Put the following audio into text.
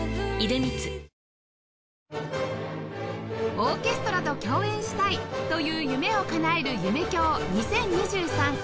オーケストラと共演したいという夢をかなえる夢響２０２３